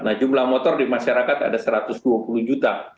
nah jumlah motor di masyarakat ada satu ratus dua puluh juta